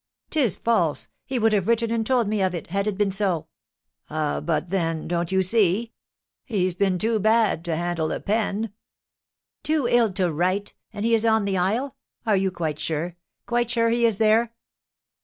"'Tis false! He would have written and told me of it, had it been so." "Ah, but then, don't you see? He's been too bad to handle a pen." "Too ill to write! And he is on the isle! Are you sure quite sure he is there?"